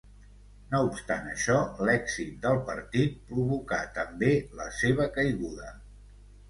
No obstant això, l'èxit del partit provocà també la seva caiguda.